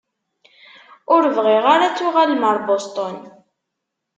Ur bɣiɣ ara ad tuɣalem ar Boston.